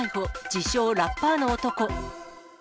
自称ラッパーの男。